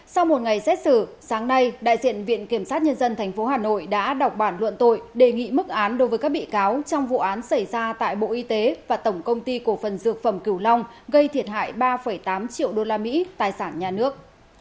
sau một ngày xét xử sáng nay đại diện viện kiểm sát nhân dân tp hà nội đã đọc bản luận tội đề nghị mức án đối với các bị cáo trong vụ án xảy ra tại bộ y tế và tổng công ty cổ phần dược phẩm cửu long gây thiệt hại ba tám triệu usd tài sản nhà nước